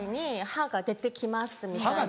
「歯が出て来ます」。